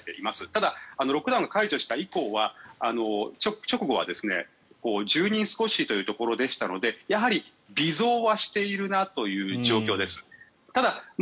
ただ、ロックダウンが解除された直後は１０人少しというところでしたのでやはり微増はしているなという状況です。